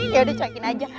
yaudah cokin aja